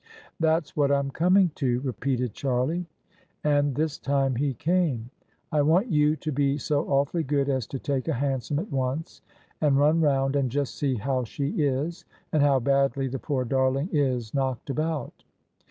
"That's what I'm coming to," repeated Charlie: and this time he came. " I want you to be so awfully good as to take a hansom at once and run round and just see how she is, and how badly the poor darling is knocked about.